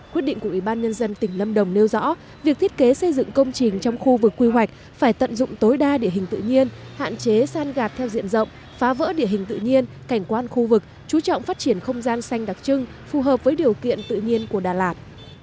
quyết định của ủy ban nhân dân tỉnh lâm đồng nêu rõ việc thiết kế xây dựng công trình trong khu vực quy hoạch phải tận dụng tối đa địa hình tự nhiên hạn chế san gạt theo diện rộng phá vỡ địa hình tự nhiên cảnh quan khu vực chú trọng phát triển không gian xanh đặc trưng phù hợp với điều kiện tự nhiên của đà lạt